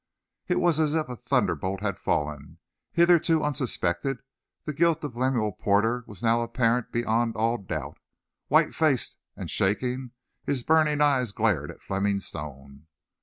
It was as if a thunderbolt had fallen. Hitherto unsuspected, the guilt of Lemuel Porter was now apparent beyond all doubt. White faced and shaking, his burning eyes glared at Fleming Stone.